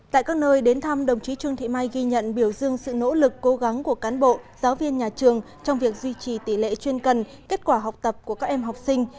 tại các nơi đến thăm đồng chí trương thị mai ghi nhận biểu dương sự nỗ lực cố gắng của cán bộ giáo viên nhà trường trong việc duy trì tỷ lệ chuyên cần kết quả học tập của các em học sinh